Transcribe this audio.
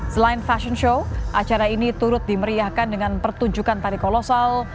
selain fashion show acara ini turut dimeriahkan dengan pertunjukan tari kolosal